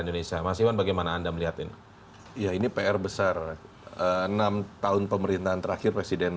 indonesia mas iwan bagaimana anda melihat ini ya ini pr besar enam tahun pemerintahan terakhir presiden